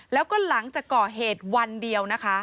แล้วก็หลังจากก่อเหตุวันเดียวนะคะ